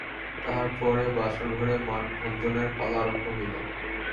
তাহার পরে বাসরঘরে মানভঞ্জনের পালা আরম্ভ হইল।